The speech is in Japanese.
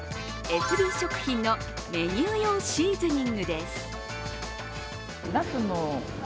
エスビー食品のメニュー用シーズニングです。